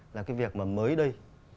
là cái việc mà mới đây